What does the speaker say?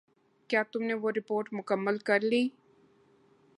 کیا تم نے وہ رپورٹ مکمل کر لی؟